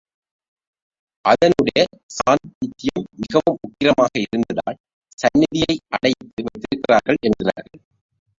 அதனுடைய சாந்நித்யம் மிகவும் உக்கிரமாக இருந்ததால் சந்நிதியை அடைத்து வைத்திருக்கிறார்கள் என்கிறார்கள்.